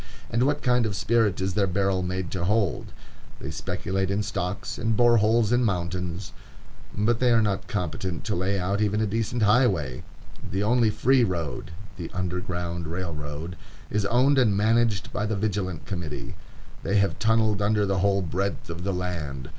And what kind of spirit is their barrel made to hold? They speculate in stocks, and bore holes in mountains, but they are not competent to lay out even a decent highway. The only free road, the Underground Railroad, is owned and managed by the Vigilant Committee. They have tunnelled under the whole breadth of the land.